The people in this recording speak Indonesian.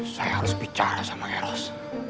saya harus bicara sama eros